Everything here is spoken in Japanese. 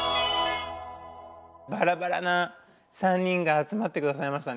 バラバラな３人が集まってくださいましたね。